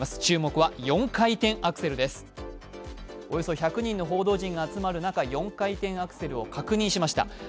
およそ１００人の報道陣が集まる中、４回転アクセルを確認しました。